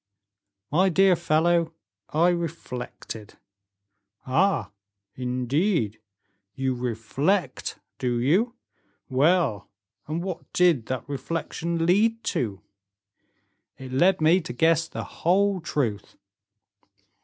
"My dear fellow, I reflected." "Ah, indeed; you reflect, do you? Well, and what did that reflection lead to?" "It led me to guess the whole truth."